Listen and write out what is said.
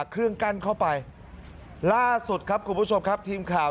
เครื่องกั้นเข้าไปล่าสุดครับคุณผู้ชมฮาว